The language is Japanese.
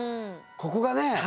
ここがね